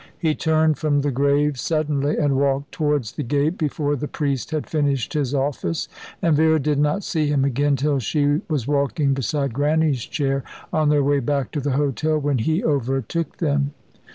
He turned from the grave suddenly, and walked towards the gate before the priest had finished his office, and Vera did not see him again till she was walking beside Grannie's chair, on their way back to the hotel, when he overtook them.